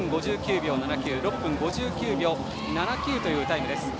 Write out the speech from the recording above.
６分５９秒７９というタイムです。